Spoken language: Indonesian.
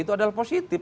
itu adalah positif